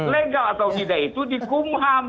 legal atau tidak itu dikumham